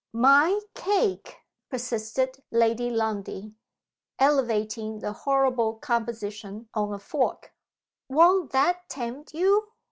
"MY cake!" persisted Lady Lundie, elevating the horrible composition on a fork. "Won't that tempt you?"